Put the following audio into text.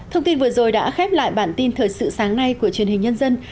thông tin vừa rồi đã khép lại bản tin thời sự sáng nay của truyền hình nhân dân